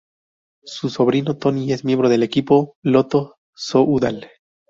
Su sobrino Tony es miembro del equipo Lotto-Soudal.